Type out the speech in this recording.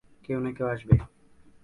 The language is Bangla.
কেউ না কেউ আসবে।